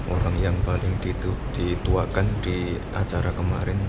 orang yang paling dituakan di acara kemarin